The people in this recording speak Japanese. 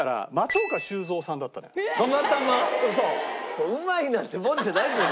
それうまいなんてもんじゃないですよ